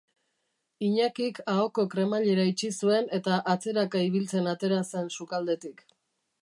Iñakik ahoko kremailera itxi zuen eta atzeraka ibiltzen atera zen sukaldetik.